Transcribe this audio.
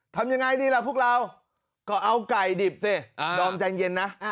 ทำยังไงดีล่ะพวกเราก็เอาไก่ดิบสิดอมใจเย็นนะ